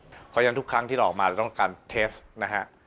เพราะฉะนั้นทุกครั้งที่เราออกมาเราต้องการเทสนะฮะ